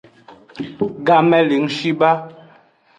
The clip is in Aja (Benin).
Game le ng shi ba.